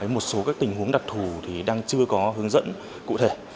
một số các tình huống đặc thù thì đang chưa có hướng dẫn cụ thể